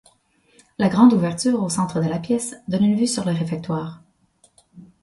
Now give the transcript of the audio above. La grande ouverture au centre de la pièce donne une vue sur le réfectoire.